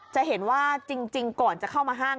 จะเห็นว่าจริงก่อนจะเข้ามาห้าง